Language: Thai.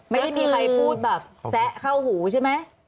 ไม่ได้มีใครพูดแบบแซะเข้าหูใช่ไหม